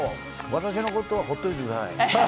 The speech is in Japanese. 私のことは放っておいてください。